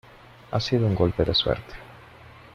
ha sido un golpe de suerte.